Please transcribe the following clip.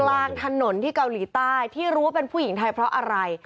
กลางถนนที่เกาหลีใต้ที่รู้ว่าเป็นผู้หญิงไทยเพราะอะไร